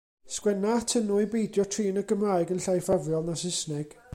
Sgwenna atyn nhw i beidio trin y Gymraeg yn llai ffafriol na Saesneg.